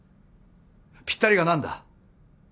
ぴったりが何だ？